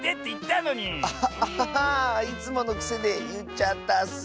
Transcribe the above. いつものくせでいっちゃったッス。